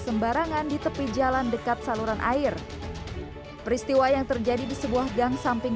sembarangan di tepi jalan dekat saluran air peristiwa yang terjadi di sebuah gang samping